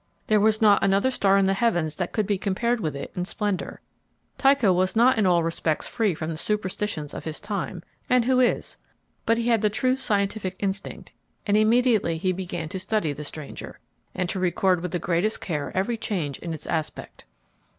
There was not another star in the heavens that could be compared with it in splendor. Tycho was not in all respects free from the superstitions of his time—and who is?—but he had the true scientific instinct, and immediately he began to study the stranger, and to record with the greatest care every change in its aspect.